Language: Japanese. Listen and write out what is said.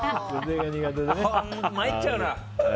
参っちゃうな。